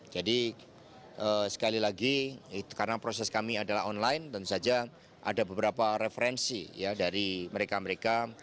jadi sekali lagi karena proses kami adalah online tentu saja ada beberapa referensi dari mereka mereka